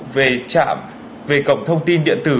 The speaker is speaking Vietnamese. về trạm về cổng thông tin điện tử